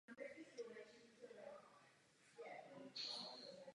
Má pravidelné autobusové spojení.